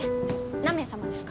何名様ですか？